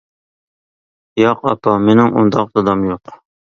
-ياق، ئاپا، مېنىڭ ئۇنداق دادام يوق!